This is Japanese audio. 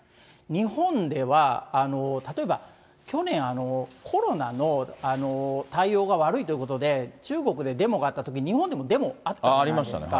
日本では、例えば去年、コロナの対応が悪いということで、中国でデモがあったときに、日本でもデモあったじゃないですか。